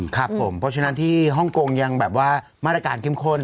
ครับผมเพราะฉะนั้นที่ฮ่องกงยังแบบว่ามาตรการเข้มข้น